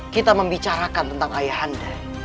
kita membicarakan tentang ayah anda